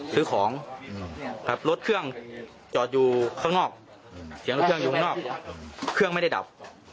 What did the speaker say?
ซื้อของรถเครื่องจอดอยู่ข้างนอกเครื่องไม่ได้ดับ